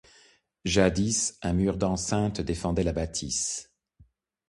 Jadis, un mur d'enceinte défendait la bâtisse.